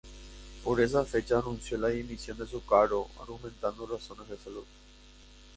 Por esas fechas anunció la dimisión de su cargo, argumentando razones de salud.